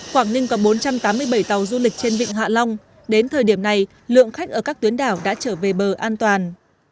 quảng ninh có bốn trăm tám mươi bảy tàu du lịch trên vịnh hạ long đến thời điểm này lượng khách ở các tuyến đảo đã trở về bờ an toàn